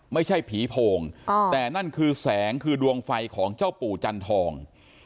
ไม่ใช่ผีโพงแต่นั่นคือแสงคือดวงไฟของเจ้าปู่จันทอง